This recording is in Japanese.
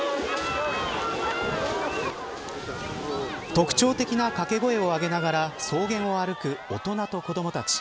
特徴的な掛け声を上げながら草原を歩く大人と子どもたち。